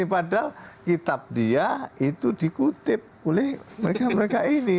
padahal kitab dia itu dikutip oleh mereka mereka ini